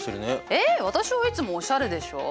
えっ私はいつもおしゃれでしょう？